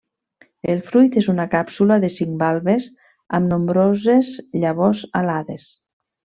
El fruit és una càpsula de cinc valves amb nombroses llavors alades.